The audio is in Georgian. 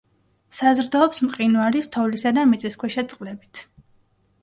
საზრდოობს მყინვარის, თოვლისა და მიწისქვეშა წყლებით.